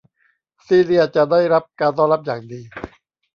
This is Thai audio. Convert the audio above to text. ซีเลียจะได้รับการต้อนรับอย่างดี